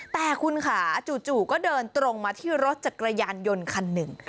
แต่คุณค่ะจู่ก็เดินตรงมาที่รถจักรยานยนต์คันหนึ่ง